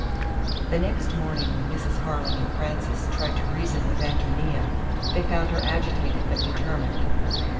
The next morning when Mrs. Harling and Frances tried to reason with Ántonia, they found her agitated but determined.